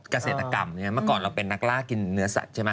เกษตรกรรมเมื่อก่อนเราเป็นนักล่ากินเนื้อสัตว์ใช่ไหม